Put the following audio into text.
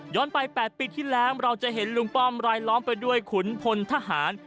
ไป๘ปีที่แล้วเราจะเห็นลุงป้อมรายล้อมไปด้วยขุนพลทหาร